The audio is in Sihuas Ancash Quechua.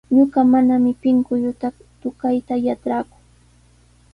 Ñuqa manami pinkulluta tukayta yatraaku.